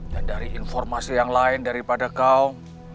dan dari informasi yang lain daripada kau